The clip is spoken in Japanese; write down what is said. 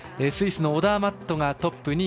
スイスのオダーマットがトップ。